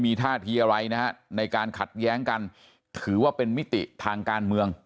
มีท่าทีอะไรนะฮะในการขัดแย้งกันถือว่าเป็นมิติทางการเมือง